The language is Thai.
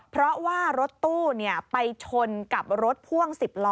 เพราะว่ารถตู้ไปชนกับรถพ่วง๑๐ล้อ